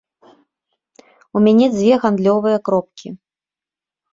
У мяне дзве гандлёвыя кропкі.